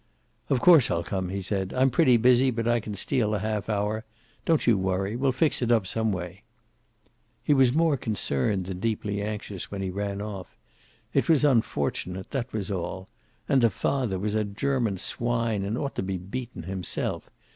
"Of course I'll come," he said. "I'm pretty busy, but I can steal a half hour. Don't you worry. We'll fix it up some way." He was more concerned than deeply anxious when he rang off. It was unfortunate, that was all. And the father was a German swine, and ought to be beaten himself.